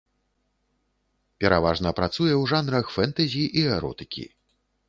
Пераважна працуе ў жанрах фэнтэзі і эротыкі.